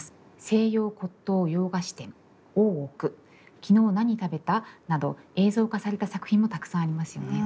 「西洋骨董洋菓子店」「大奥」「きのう何食べた？」など映像化された作品もたくさんありますよね。